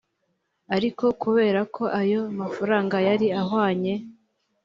ariko kubera ko ayo mafaranga yari ahwanye